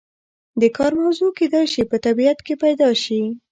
د کار موضوع کیدای شي په طبیعت کې پیدا شي.